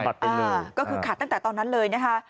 ก็คือขาดตั้งแต่ตอนนั้นเลยนะคะ